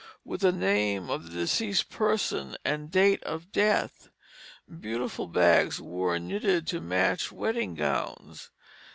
with the name of the deceased person and date of death. Beautiful bags were knitted to match wedding gowns.